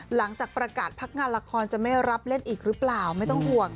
หลังจากประกาศพักงานละครจะไม่รับเล่นอีกหรือเปล่าไม่ต้องห่วง